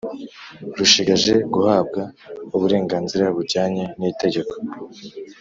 rushigaje guhabwa uburenganzira bujyanye n'itegeko.